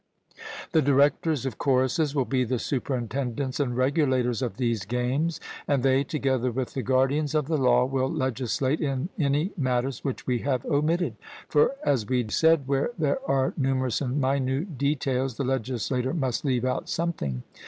The directors of choruses will be the superintendents and regulators of these games, and they, together with the guardians of the law, will legislate in any matters which we have omitted; for, as we said, where there are numerous and minute details, the legislator must leave out something.